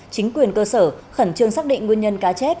chính quyền cơ sở khẩn trương xác định nguyên nhân cá chết